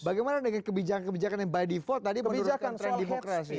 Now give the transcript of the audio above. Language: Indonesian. bagaimana dengan kebijakan kebijakan yang by default tadi menurunkan tren demokrasi